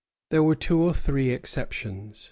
There were two or three exceptions.